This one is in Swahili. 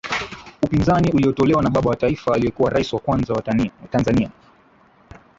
Upinzani uliotolewa na baba wa taifa aliyekuwa Rais wa Kwanza wa Tanzania